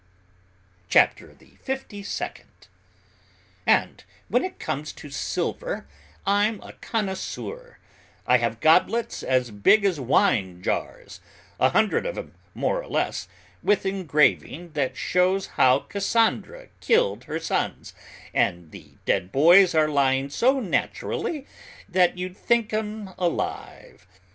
CHAPTER THE FIFTY SECOND. "And when it comes to silver, I'm a connoisseur; I have goblets as big as wine jars, a hundred of 'em more or less, with engraving that shows how Cassandra killed her sons, and the dead boys are lying so naturally that you'd think 'em alive.